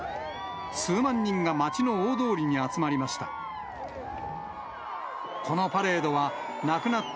数万人が町の大通りに集まりました。